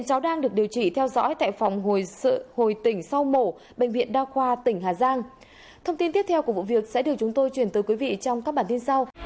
hãy đăng ký kênh để ủng hộ kênh của chúng mình nhé